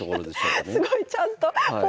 すごい！ちゃんと。